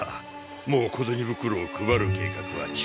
もう小銭袋を配る計画は中止しよう。